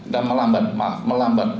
dan melambat maaf melambat